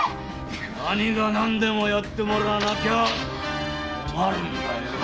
何が何でもやってもらわなきゃ困るんだよ！